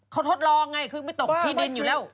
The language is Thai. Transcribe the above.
เขาทดลองไงคือไม่ตกที่ดินอยู่แล้ว